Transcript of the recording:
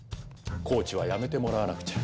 コーチは辞めてもらわなくちゃ。